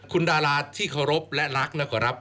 คุณดาราที่เคารพและรักนะครับ